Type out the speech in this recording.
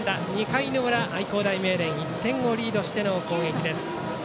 ２回の裏、愛工大名電１点をリードしての攻撃です。